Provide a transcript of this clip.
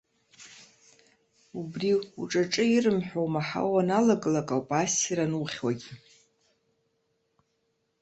Убри, уҿаҿы ирымҳәо умаҳауа уаналагалак ауп ассир анухьуагьы.